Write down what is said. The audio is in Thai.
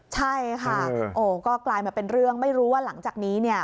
ใช่ค่ะโอ้ก็กลายมาเป็นเรื่องไม่รู้ว่าหลังจากนี้เนี่ย